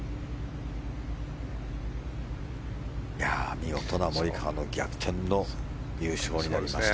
見事なモリカワの逆転の優勝になりました。